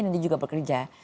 dan dia juga bekerja